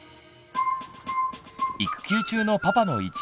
育休中のパパの一日です。